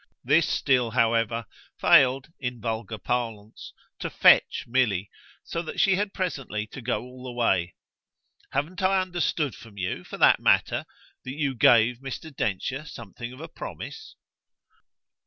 This still, however, failed, in vulgar parlance, to "fetch" Milly, so that she had presently to go all the way. "Haven't I understood from you, for that matter, that you gave Mr. Densher something of a promise?"